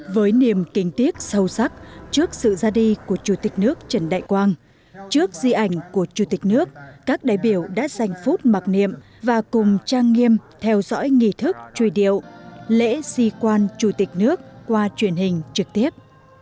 với niềm kính tiếc sâu sắc trước sự ra đi của chủ tịch nước trần đại quang trước di ảnh của chủ tịch nước các đại biểu đã dành phút mặc niệm và cùng trang nghiêm theo dõi nghi thức truy điệu lễ di quan chủ tịch nước qua truyền hình trực tiếp